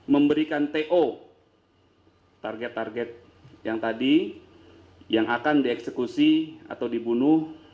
memberikan to target target yang tadi yang akan dieksekusi atau dibunuh